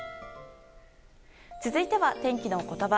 続いては天気のことば。